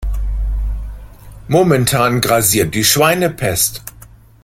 Momentan grassiert die Schweinepest.